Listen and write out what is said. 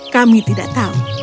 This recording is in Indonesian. kami tidak tahu